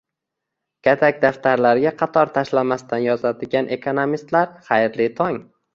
Katak daftarlarga qator tashlamasdan yozadigan "ekonomistlar", xayrli tong!